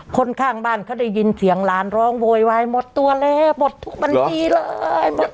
คนข้างบ้านเขาได้ยินเสียงหลานร้องโวยวายหมดตัวแล้วหมดทุกบัญชีเลย